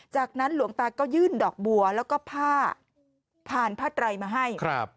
จากนั้นหลวงตาก็ยื่นดอกบัวแล้วก็ผ้าผ่านผ้าไตรมาให้ครับ